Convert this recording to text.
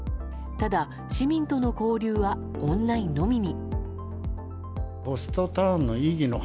ただ、市民との交流はオンラインのみに。